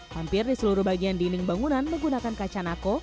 hampir di seluruh bagian dinding bangunan menggunakan kaca nako